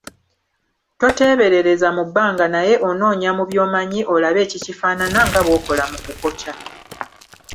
Toteeberereza mu bbanga, naye onoonya mu by'omanyi, olabe ekikifaanana, nga bw'okola mu kukoca.